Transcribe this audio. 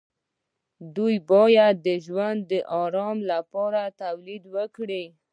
دوی باید د ژوند د دوام لپاره تولید وکړي.